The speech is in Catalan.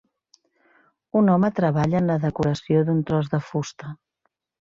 Un home treballa en la decoració d'un tros de fusta.